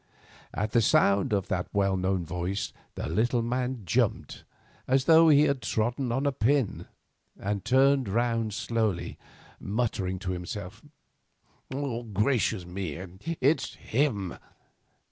At the sound of that well known voice the little man jumped as though he had trodden on a pin, and turned round slowly, muttering to himself, "Gracious! It's him!"